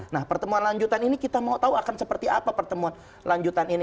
nah pertemuan lanjutan ini kita mau tahu akan seperti apa pertemuan lanjutan ini